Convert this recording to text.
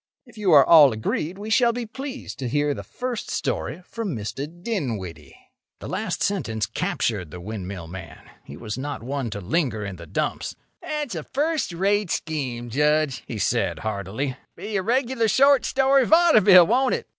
If you are all agreed, we shall be pleased to hear the first story from Mr. Dinwiddie." The last sentence captured the windmill man. He was not one to linger in the dumps. "That's a first rate scheme, Judge," he said, heartily. "Be a regular short story vaudeville, won't it?